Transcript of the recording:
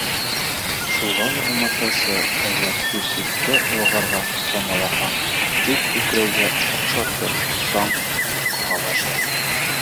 Шуға ла умартасы, әгәр күс ситкә олағырға самалаһа, күк күкрәүгә оҡшатып, саң ҡаға башлай.